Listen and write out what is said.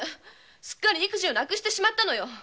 すっかり意気地をなくしてしまったのよ！